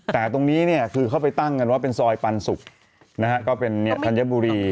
แต่ตรงนี้เนี่ยคือเขาไปตั้งกันว่าเป็นซอยปันสุกนะฮะก็เป็นธัญบุรี